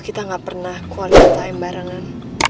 kita gak pernah quality time barengan